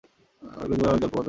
এর গতিপথে অনেক জলপ্রপাত আছে।